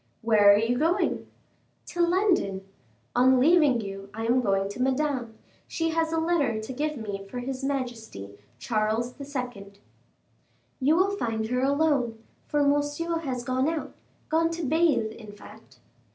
"Where are you going?" "To London. On leaving you, I am going to Madame; she has a letter to give me for his majesty, Charles II." "You will find her alone, for Monsieur has gone out; gone to bathe, in fact."